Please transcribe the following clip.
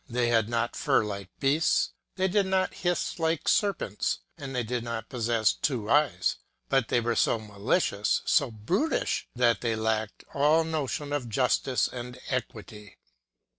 They had not fur like bears; they did not hiss like serpents ; and they did possess two eyes : X but they were so malicious, so brutish, that they lacked all notion of justice and equity.